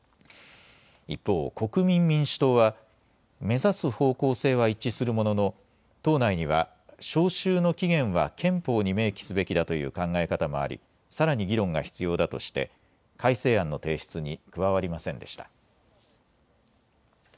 一方、国民民主党は目指す方向性は一致するものの党内には召集の期限は憲法に明記すべきだという考え方もありさらに議論が必要だとして改正案の提出に加わりませんでした。